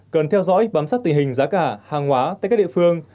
cần theo dõi bám sát tình hình giá cả hàng hóa tại các địa phương